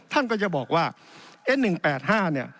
ท่านก็จะบอกว่าเอ๊ะ๑๘๕เนี่ย